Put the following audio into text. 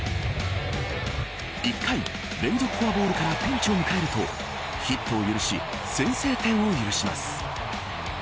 １回、連続フォアボールからピンチを迎えるとヒットを許し先制点を許します。